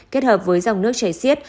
kết hợp với dòng nước chảy xiết